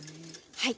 はい。